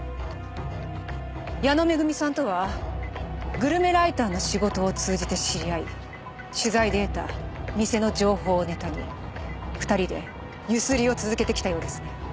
矢野恵さんとはグルメライターの仕事を通じて知り合い取材で得た店の情報をネタに２人で強請を続けてきたようですね。